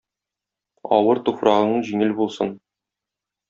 Авыр туфрагың җиңел булсын.